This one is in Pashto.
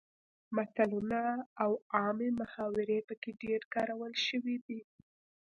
متلونه او عامې محاورې پکې ډیر کارول شوي دي